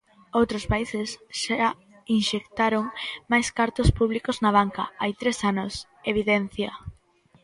Outros países xa inxectaron máis cartos públicos na banca "hai tres anos", evidencia.